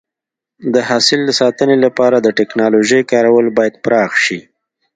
د حاصل د ساتنې لپاره د ټکنالوژۍ کارول باید پراخ شي.